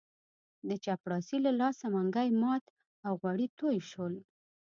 د چپړاسي له لاسه منګی مات او غوړي توی شول.